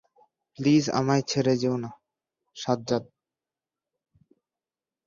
Please আমায় ছেড়ে যেও না, সাজ্জাদ।